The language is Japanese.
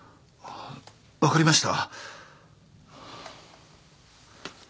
分かりました。